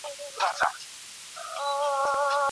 ښايي مناسب پلان جوړونه د هیواد اقتصاد پیاوړی کړي.